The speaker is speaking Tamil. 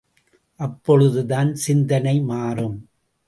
அப்பொழுதுதான் சிந்தனை மாறும்.